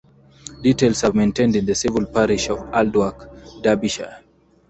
Details are maintained in the civil Parish of Aldwark, Derbyshire.